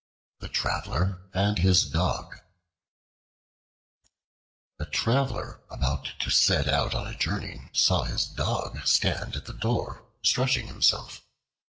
The Traveler and His Dog A TRAVELER about to set out on a journey saw his Dog stand at the door stretching himself.